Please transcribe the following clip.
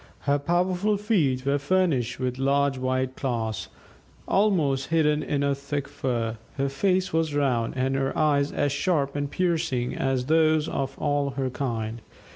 Her powerful feet were furnished with large white claws, almost hidden in her thick fur; her face was round, and her eyes as sharp and piercing as those of all her kind.